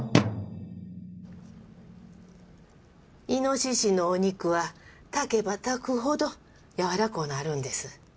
猪のお肉は炊けば炊くほどやわらこうなるんです。